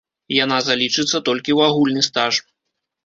Яна залічыцца толькі ў агульны стаж.